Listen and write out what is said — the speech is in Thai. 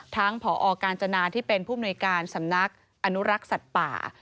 ผอกาญจนาที่เป็นผู้มนุยการสำนักอนุรักษ์สัตว์ป่า